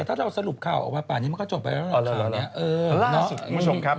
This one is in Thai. ถ้าเราสรุปข่าวออกมาป่านนี้มันก็จบไปแล้วนะคุณผู้ชมครับ